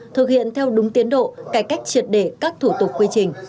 thực hiện theo đúng tiến độ cải cách triệt để các thủ tục quy trình